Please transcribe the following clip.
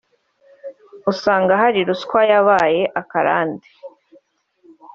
usanga hari ruswa yabaye akarande